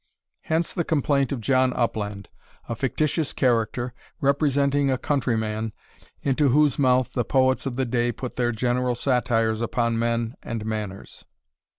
Hence the complaint of John Upland, a fictitious character, representing a countryman, into whose mouth the poets of the day put their general satires upon men and manners.